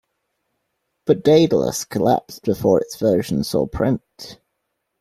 But Daedalus collapsed before its version saw print.